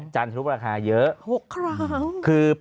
จำง่ายคือ